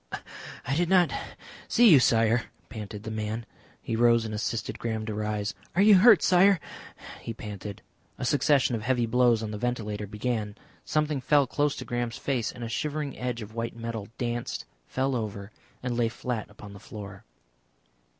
"I did not see you, Sire," panted the man. He rose and assisted Graham to rise. "Are you hurt, Sire?" he panted. A succession of heavy blows on the ventilator began, something fell close to Graham's face, and a shivering edge of white metal danced, fell over, and lay fiat upon the floor.